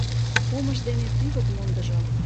Омыж дене тӱвыт мондыжо.